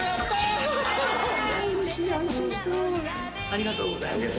ありがとうございます。